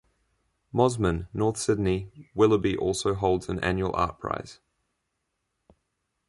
Mosman, North Sydney, Willoughby also holds an annual art prize.